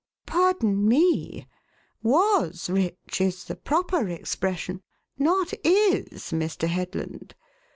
"Pardon me: 'was rich' is the proper expression, not 'is,' Mr. Headland.